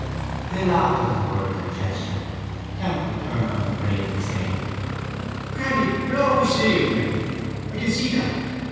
They laughed at his words and gesture. Temple turned on him bravely, saying: —Cranly, you're always sneering at me. I can see that.